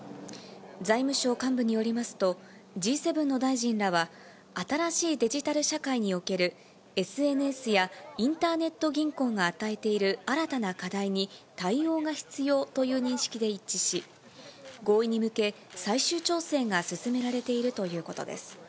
財務省幹部によりますと、Ｇ７の大臣らは、新しいデジタル社会におけるＳＮＳやインターネット銀行が与えている新たな課題に対応が必要という認識で一致し、合意に向け、最終調整が進められているということです。